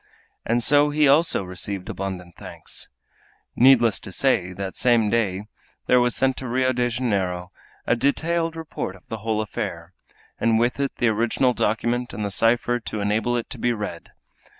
And so he also received abundant thanks. Needless to say that the same day there was sent to Rio de Janeiro a detailed report of the whole affair, and with it the original document and the cipher to enable it to be read.